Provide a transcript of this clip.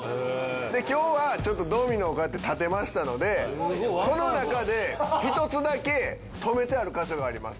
今日はドミノをこうやって立てましたのでこの中で１つだけ止めてある箇所があります。